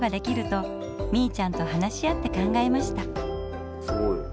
とみいちゃんと話し合って考えました。